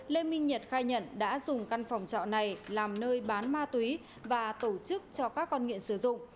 lê minh nhật khai nhận đã dùng căn phòng trọ này làm nơi bán ma túy và tổ chức cho các con nghiện sử dụng